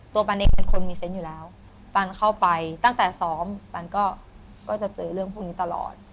ปันเองเป็นคนมีเซนต์อยู่แล้วปันเข้าไปตั้งแต่ซ้อมปันก็จะเจอเรื่องพวกนี้ตลอด